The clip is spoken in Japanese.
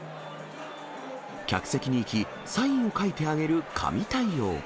客席に行き、サインを書いてあげる神対応。